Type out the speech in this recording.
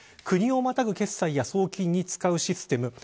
国をまたぐ決済や送金に使うシステム。